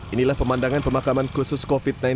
inilah pemandangan pemakaman khusus covid sembilan belas